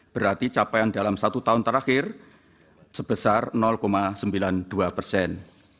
berarti capaian dalam satu tahun terakhir sebesar sembilan puluh dua persen